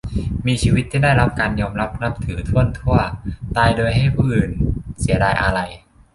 มีชีวิตที่ได้รับการยอมรับนับถือถ้วนทั่ว ตายโดยให้ผู้อื่นเสียดายอาลัย